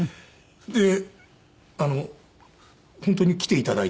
で本当に来て頂いて。